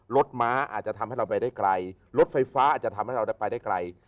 ม้าอาจจะทำให้เราไปได้ไกลรถไฟฟ้าอาจจะทำให้เราไปได้ไกล